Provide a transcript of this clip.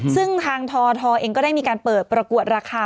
ซึ่งทางททเองก็ได้มีการเปิดประกวดราคา